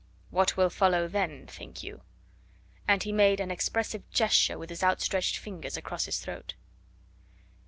What will follow then, think you?" And he made an expressive gesture with his outstretched fingers across his throat.